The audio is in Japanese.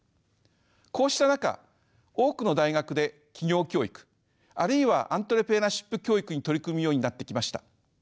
こうした中多くの大学で起業教育あるいはアントレプレナーシップ教育に取り組むようになってきました。